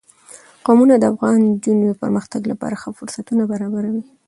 قومونه د افغان نجونو د پرمختګ لپاره ښه فرصتونه برابروي.